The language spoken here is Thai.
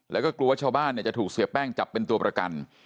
แล้วก็กลัวว่าชาวบ้านจะถูกเสียแป้งจับเป็นตัวประกัน